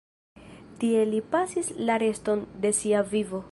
Tie li pasis la reston de sia vivo.